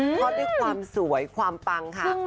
เพราะด้วยความสวยความปังค่ะ